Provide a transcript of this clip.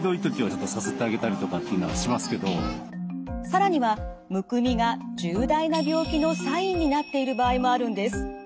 更にはむくみが重大な病気のサインになっている場合もあるんです。